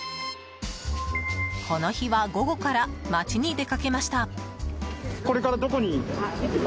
この日は午後から街に出かけました。